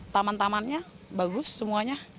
taman tamannya bagus semuanya